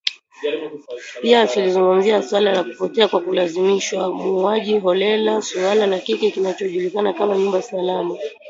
Pia tulizungumzia suala la kupotea kwa kulazimishwa, mauaji holela, suala la kile kinachojulikana kama “nyumba salama”.